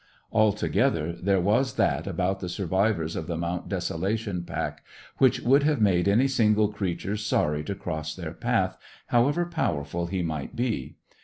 Altogether, there was that about the survivors of the Mount Desolation pack which would have made any single creature sorry to cross their path, however powerful he might be.